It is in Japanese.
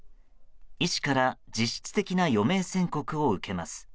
医師から実質的な余命宣告を受けます。